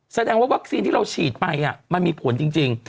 แสดงว่าวัคซีนที่เราฉีดไปมันมีผลจริง